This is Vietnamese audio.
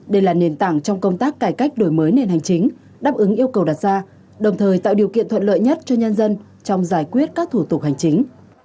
đây là nền tảng trong công tác cải cách đổi mới nền hành chính đáp ứng yêu cầu đặt ra đồng thời tạo điều kiện thuận lợi nhất cho nhân dân trong giải quyết các thủ tục hành chính